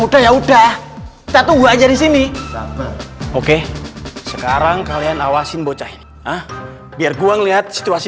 udah ya udah kita tunggu aja di sini oke sekarang kalian awasin bocah ini ah biar gue ngeliat situasi